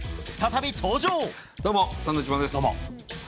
どうも、サンドウィッチマンです。